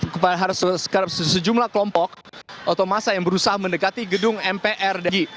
kepada sejumlah kelompok atau masa yang berusaha mendekati gedung mprg